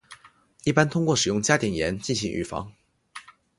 一般通过使用加碘盐进行预防。